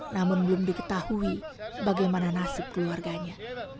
namun belum diketahui bagaimana nasib keluarganya